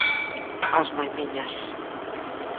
As maimiñas.